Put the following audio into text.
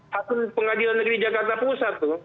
hakim pengadilan negeri jakarta pusat tuh